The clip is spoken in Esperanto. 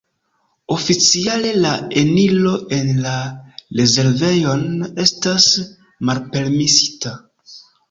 Oficiale la eniro en la rezervejon estas malpermesita.